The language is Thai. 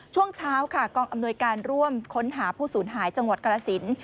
ช่วงเช้าค่ะกองอำนวยการร่วมค้นหาผู้สูญหายจังหวัดกรสิน